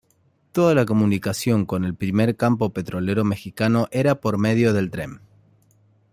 Toda la comunicación con el primer campo petrolero mexicano era por medio del tren.